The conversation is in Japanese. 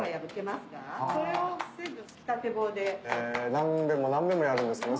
何遍も何遍もやるんですね。